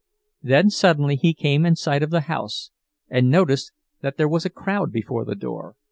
Then suddenly he came in sight of the house, and noticed that there was a crowd before the door.